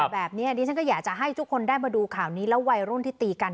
แบบนี้ดิฉันก็อยากจะให้ทุกคนได้มาดูข่าวนี้แล้ววัยรุ่นที่ตีกัน